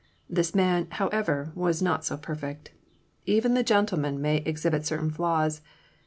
The man, however, was not so perfect; even the gentleman may exhibit certain flaws.